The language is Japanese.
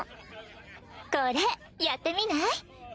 これやってみない？